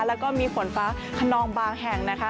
แล้วก็มีฝนฟ้าขนองบางแห่งนะคะ